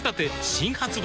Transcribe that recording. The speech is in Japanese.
新発売